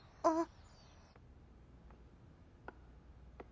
あ。